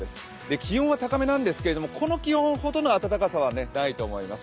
気温は高めなんですがこの気温ほどの暖かさはないと思います。